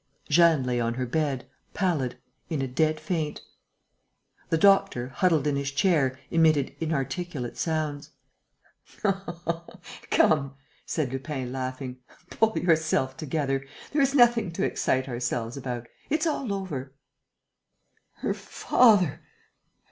Jeanne lay on her bed, pallid, in a dead faint. The doctor, huddled in his chair, emitted inarticulate sounds. "Come," said Lupin, laughing, "pull yourself together. There is nothing to excite ourselves about: it's all over." "Her father!...